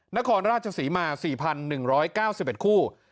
นครราชศรีมา๔๑๙๑คู่